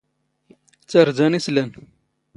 ⵜⴰⵔⴷⴰ ⵏ ⵉⵙⵍⴰⵏ